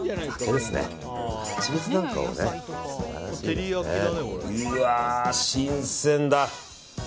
うわ、新鮮だ。